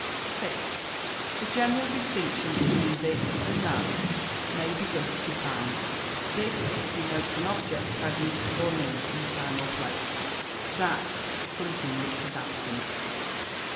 6. The general distinction between This and That may be thus defined: this denotes an object present or near, in time or place, that something which is absent.